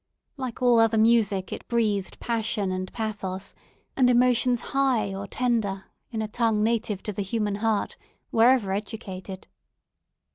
Like all other music, it breathed passion and pathos, and emotions high or tender, in a tongue native to the human heart, wherever educated.